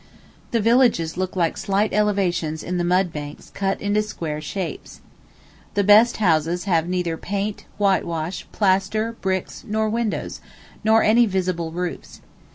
The villages look like slight elevations in the mud banks cut into square shapes. The best houses have neither paint, whitewash, plaster, bricks nor windows, nor any visible roofs.